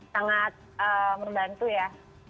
sangat membantu ya